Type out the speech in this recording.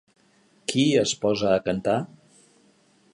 Qui es posa a cantar?